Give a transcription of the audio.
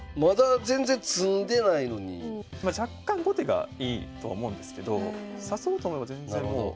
若干後手がいいと思うんですけど指そうと思えば全然もう。